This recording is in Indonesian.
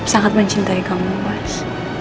sangat mencintai kamu mas